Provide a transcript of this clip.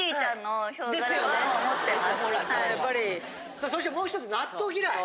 さあそしてもうひとつ納豆嫌い。